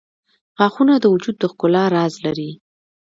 • غاښونه د وجود د ښکلا راز لري.